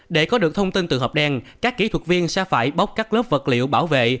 để có được thông tin từ hộp đen các kỹ thuật viên sẽ phải bốc các lớp vật liệu bảo vệ